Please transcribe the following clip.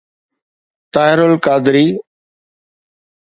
Tahir al-Qadri